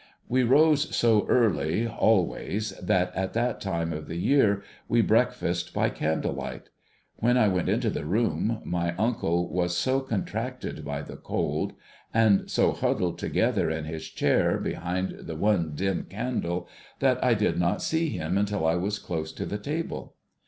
We rose so early always, that at that time of the year we break fasted by candle light. A\"hen I went into the room, my uncle was HIS UNCLE'S ANGER 29 so contracted by the cold, and so huddled together in his chair behind the one dim candle, that I did not see him until I was close to the table.